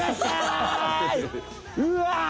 うわ！